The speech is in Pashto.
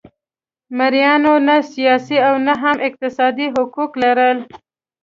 مریانو نه سیاسي او نه هم اقتصادي حقوق لرل.